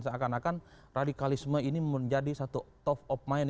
seakan akan radikalisme ini menjadi satu top of mind